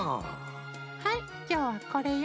はいきょうはこれよ。